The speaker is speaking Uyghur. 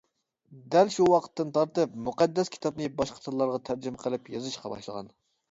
دەل شۇ ۋاقىتتىن تارتىپ مۇقەددەس كىتابنى باشقا تىللارغا تەرجىمە قىلىپ يېزىشقا باشلىغان.